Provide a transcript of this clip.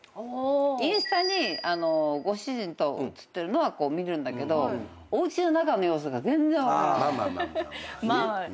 インスタにご主人と写ってるのは見るんだけどおうちの中の様子が全然分からない。